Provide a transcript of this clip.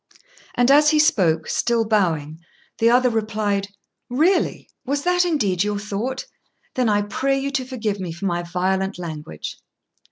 And as he spoke, still bowing, the other replied, "Really! was that indeed your thought? Then I pray you to forgive me for my violent language."